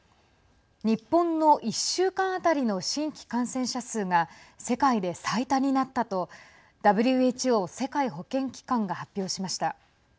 日本の１週間当たりの新規感染者数が世界で最多になったとＷＨＯ＝世界保健機関が発表しました。